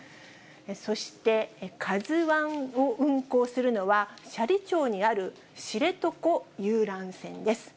そして、カズワンを運航するのは、斜里町にある知床遊覧船です。